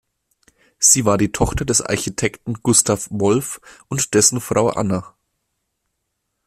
Sie war die Tochter des Architekten Gustav Wolff und dessen Frau Anna.